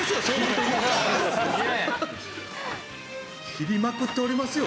「斬りまくっておりますよ」